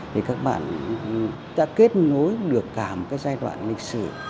thì các bạn đã kết nối được cả một cái giai đoạn lịch sử